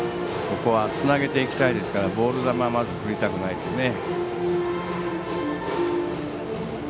ここはつなげていきたいですからボール球は振りたくないですね。